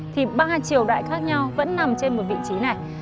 thì ba triều đại khác nhau vẫn nằm trên một vị trí này